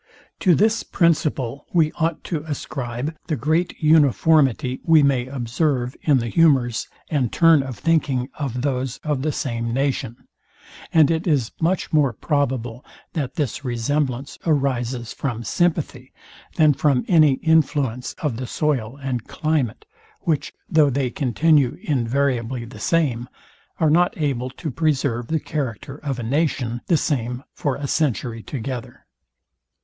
To this principle we ought to ascribe the great uniformity we may observe in the humours and turn of thinking of those of the same nation; and it is much more probable, that this resemblance arises from sympathy, than from any influence of the soil and climate, which, though they continue invariably the same, are not able to preserve the character of a nation the same for a century together.